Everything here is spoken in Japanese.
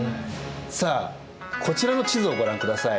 さあこちらの地図をご覧ください。